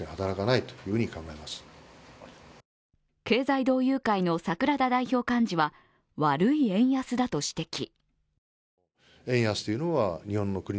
経済同友会の櫻田代表幹事は悪い円安だと指摘。